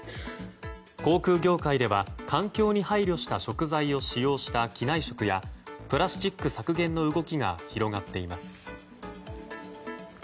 航空業界では環境に配慮した食材を使用した機内食やプラスチック削減の動きが広がっています。